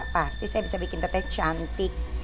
pasti saya bisa bikin teteh cantik